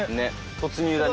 突入だね。